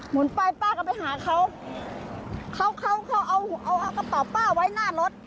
ไปป้าก็ไปหาเขาเขาเขาเอาเอากระเป๋าป้าไว้หน้ารถ